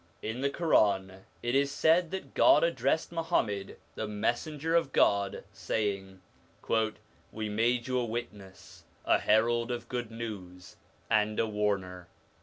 In the Quran it is said that God addressed Muham mad, the Messenger of God, saying :' We made you a Witness, a Herald of good news, and a Warner.'